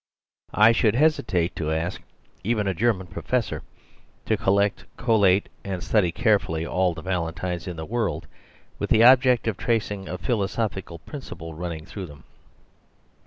I should hesitate to ask even a German professor to collect, collate and study care fully all the valentines in the world, with the object of tracing a philosophical principle running through them.